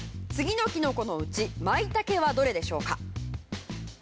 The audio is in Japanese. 次のキノコのうちマイタケはどれでしょうか？